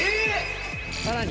さらに！